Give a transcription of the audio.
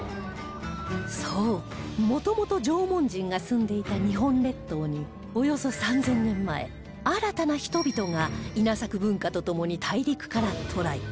そうもともと縄文人が住んでいた日本列島におよそ３０００年前新たな人々が稲作文化とともに大陸から渡来